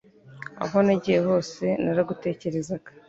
Aho nagiye hose naragutekerezaga